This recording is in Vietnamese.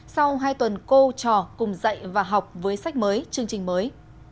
sau hai tuần cô trò cùng dạy và học với sách mới chương trình mới